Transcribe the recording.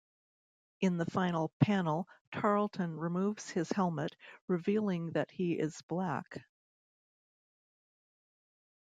In the final panel Tarlton removes his helmet, revealing that he is black.